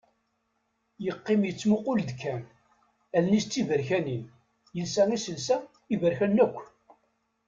Yeqqim yettmuqul-d kan. Allen-is d tibaɛrurin, yelsa iselsa iberkanen akk.